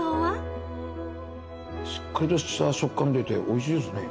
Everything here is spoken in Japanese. しっかりとした食感が出ておいしいですね。